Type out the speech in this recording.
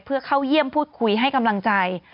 เพื่อเข้าเยี่ยมพูดคุยให้กำลังใจ